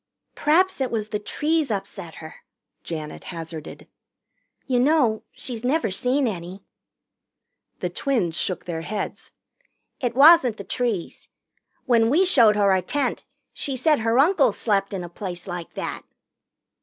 "P'raps it was the trees upset her," Janet hazarded. "You know, she's never seen any." The twins shook their heads. "It wasn't the trees. When we showed her our tent, she said her uncle slept in a place like that."